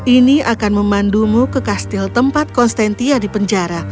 ini akan memandumu ke kastil tempat konstantia dipenjara